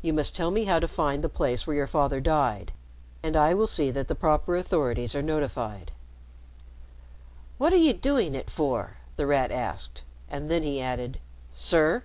You must tell me how to find the place where your father died, and I will see that the proper authorities are notified." "What are you doing it for?" The Rat asked, and then he added, "sir."